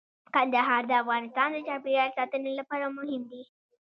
کندهار د افغانستان د چاپیریال ساتنې لپاره مهم دي.